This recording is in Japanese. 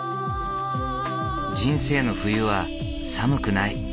人生の冬は寒くない。